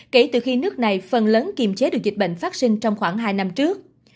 kể từ khi nước này phần lớn kiềm chế được dịch bệnh vắc xin trong khoảng hai năm trước